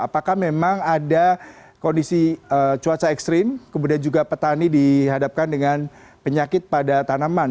apakah memang ada kondisi cuaca ekstrim kemudian juga petani dihadapkan dengan penyakit pada tanaman